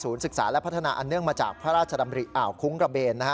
ศึกษาและพัฒนาอันเนื่องมาจากพระราชดำริอ่าวคุ้งกระเบนนะฮะ